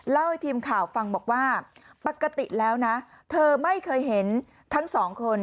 เล่าให้ทีมข่าวฟังบอกว่าปกติแล้วนะเธอไม่เคยเห็นทั้งสองคน